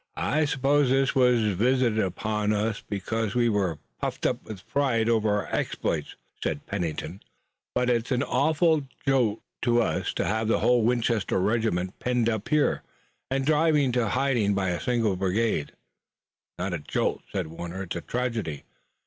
"I suppose this was visited upon us because we were puffed up with pride over our exploits," said Pennington, "but it's an awful jolt to us to have the whole Winchester regiment penned up here and driven to hiding by a single brigand." "It's not a jolt," said Warner, "it's a tragedy.